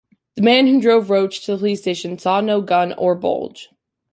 The man who drove Roach to the police station saw no gun or bulge.